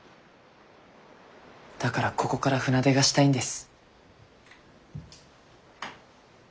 だからここから船出がしたいんです。